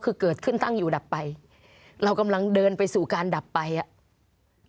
คือเกิดขึ้นตั้งอยู่ดับไปเรากำลังเดินไปสู่การดับไปอ่ะ